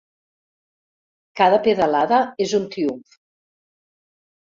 Cada pedalada és un triomf.